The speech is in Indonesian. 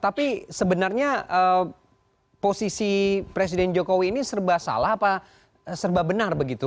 tapi sebenarnya posisi presiden jokowi ini serba salah apa serba benar begitu